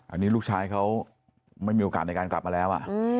อันนี้ลูกชายเขาไม่มีโอกาสในการกลับมาแล้ว